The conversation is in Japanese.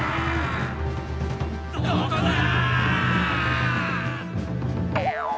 どこだ！